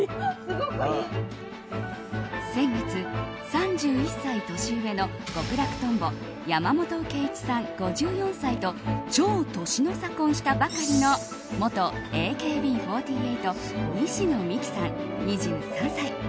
先月、３１歳年上の極楽とんぼ山本圭壱さん、５４歳と超年の差婚したばかりの元ＡＫＢ４８西野未姫さん、２３歳。